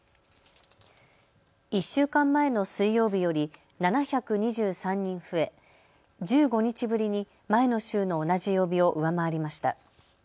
１週間前の水曜日より７２３人増え、１５日ぶりに前の週の同じ曜日を上回りました。